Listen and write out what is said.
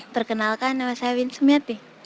perkenalkan nama saya winsum yati